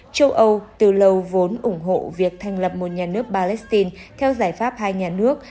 châu âu từ lâu vốn ủng hộ việc thành lập một nhà nước palestine theo giải pháp hai nhà nước